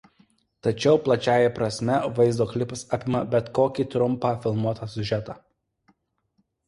Tačiau plačiąja prasme vaizdo klipas apima bet kokį trumpą filmuotą siužetą.